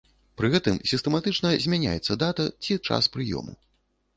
Пры гэтым сістэматычна змяняецца дата ці час прыёму.